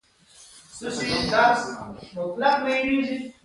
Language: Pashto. د زردالو په ونه بادام پیوند کیږي؟